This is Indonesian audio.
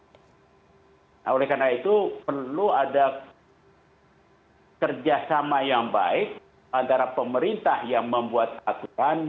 nah oleh karena itu perlu ada kerjasama yang baik antara pemerintah yang membuat aturan